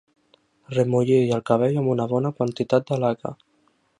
Remulli el cabell amb una bona quantitat de laca.